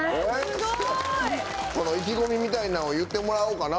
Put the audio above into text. すごい！意気込みみたいなんを言ってもらおうかな